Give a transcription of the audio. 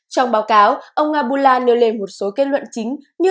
trong báo cáo ông abula nêu lên một số kết luận chính như